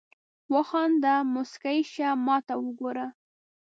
وخانده مسکی شه ماته وګوره